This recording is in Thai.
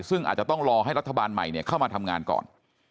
ซึ่งอาจจะต้องรอให้รัฐบาลใหม่เข้ามาทำงานก่อน